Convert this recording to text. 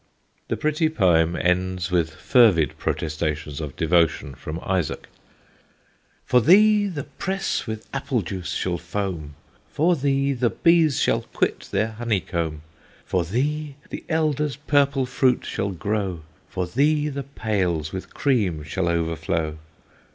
The pretty poem ends with fervid protestations of devotion from Isaac: For thee the press with apple juice shall foam! For thee the bees shall quit their honey comb! For thee the elder's purple fruit shall grow! For thee the pails with cream shall overflow!